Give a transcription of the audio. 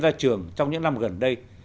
trong các trường trong những năm gần đây